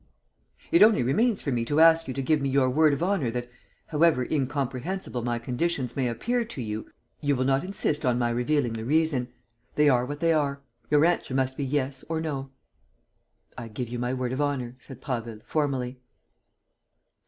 "It only remains for me to ask you to give me your word of honour that, however incomprehensible my conditions may appear to you, you will not insist on my revealing the reason. They are what they are. Your answer must be yes or no." "I give you my word of honour," said Prasville, formally.